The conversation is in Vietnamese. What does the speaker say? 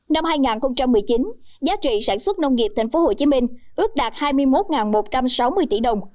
năm hai nghìn một mươi chín giá trị sản xuất nông nghiệp tp hcm ước đạt hai mươi một một trăm sáu mươi tỷ đồng